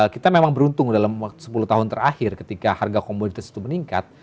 kita memang beruntung dalam sepuluh tahun terakhir ketika harga komoditas itu meningkat